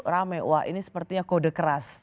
rame wah ini sepertinya kode keras